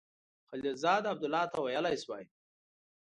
خلیلزاد عبدالله ته ویلای سوای.